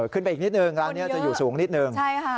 ขึ้นไปอีกนิดนึงร้านนี้จะอยู่สูงนิดนึง